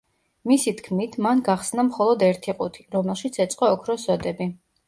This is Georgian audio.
მისი თქმით, მან გახსნა მხოლოდ ერთი ყუთი, რომელშიც ეწყო ოქროს ზოდები.